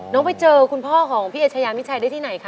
ไปเจอคุณพ่อของพี่เอชายามิชัยได้ที่ไหนคะ